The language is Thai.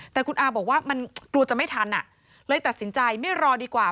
แต่คุณอาบอกว่ามันกลัวจะไม่ทันเลยตัดสินใจไม่รอดีกว่า